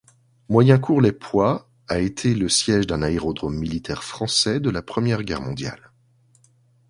Moyencourt-lès-Poix a été le siège d'un aérodrome militaire français de la Première Guerre mondiale.